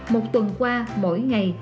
một tuần qua mỗi ngày